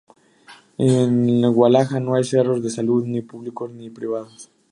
En al-Walaja no hay centros de salud, ni públicos ni privados.